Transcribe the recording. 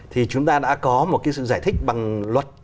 thì chúng ta đã có một cái sự giải thích bằng luật